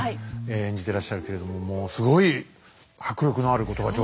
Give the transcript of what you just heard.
演じてらっしゃるけれどももうすごい迫力のある後鳥羽上皇ですよね。